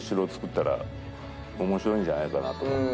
んじゃないかなと思って。